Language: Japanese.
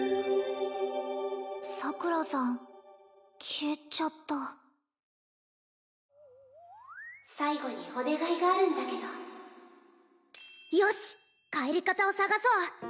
桜さん消えちゃった最後にお願いがあるんだけどよしっ帰り方を探そう！